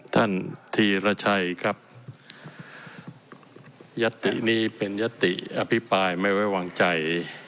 ท่านธีรชัยครับยทธิ์นี้เป็นยทธิ์อภิปรายไม่ไว้วางใจ